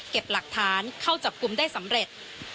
หลักฐานเข้าจับกลุ่มได้สำเร็จ